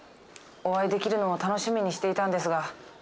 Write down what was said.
お会いできるのを楽しみにしていたんですが。